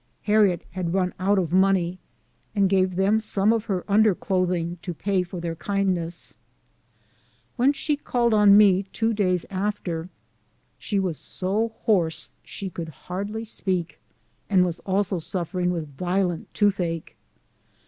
Harriet had run out of money, and gave them some of her under clothing to pay for their kindness. When she called on me two days after, she was so hoarse she could LIFE OF HARRIET TUBMAN. 51 hardly speak, and was also suffering with violent toothache.